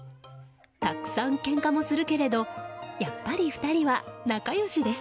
たくさんけんかもするけれどやっぱり２人は仲良しです。